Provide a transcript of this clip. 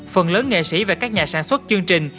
phần lớn nghệ sĩ và các nhà sản xuất chương trình